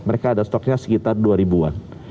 mereka ada stoknya sekitar dua ribu an